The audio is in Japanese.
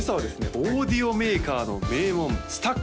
オーディオメーカーの名門ＳＴＡＸ